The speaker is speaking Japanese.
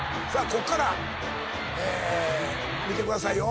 ここから見てくださいよ。